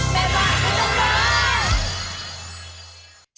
แม่บ้านประจำบาน